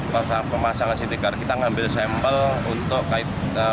pada pemasangan stiker kita mengambil sampel untuk kaitan